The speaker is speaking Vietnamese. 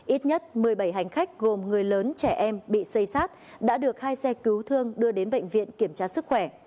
ít nhất một mươi bảy hành khách gồm người lớn trẻ em bị xây sát đã được hai xe cứu thương đưa đến bệnh viện kiểm tra sức khỏe